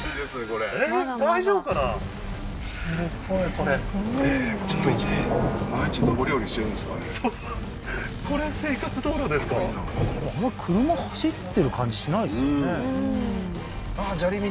これそうあんま車走ってる感じしないですね